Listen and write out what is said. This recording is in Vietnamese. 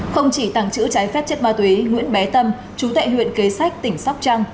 không chỉ tăng chữ trái phép chất ma tuế nguyễn bé tâm chú tệ huyện kế sách tỉnh sóc trăng